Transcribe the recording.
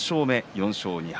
４勝２敗。